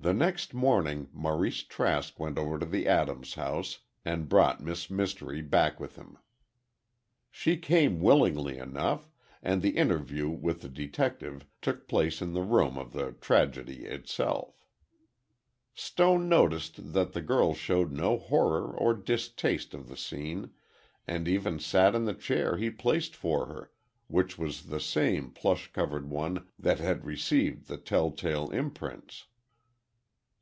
The next morning, Maurice Trask went over to the Adams house, and brought Miss Mystery back with him. She came willingly enough, and the interview with the detective took place in the room of the tragedy itself. Stone noticed that the girl showed no horror or distaste of the scene, and even sat in the chair he placed for her, which was the same plush covered one that had received the tell tale imprints.